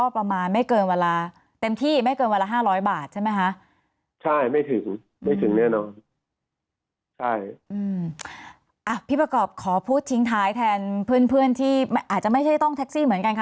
พี่ประกอบขอพูดทิ้งท้ายแทนเพื่อนที่อาจจะไม่ใช่ต้องแท็กซี่เหมือนกันค่ะ